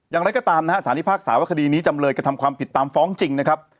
อย่างไรก็ตามนะฮะสารพิพากษาว่าคดีนี้จำเลยกระทำความผิดตามฟ้องจริงนะครับ